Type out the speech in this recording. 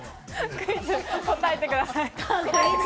クイズ答えてください。